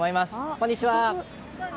こんにちは。